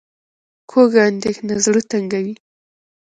کوږه اندېښنه زړه تنګوي